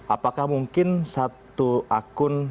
apakah mungkin satu akun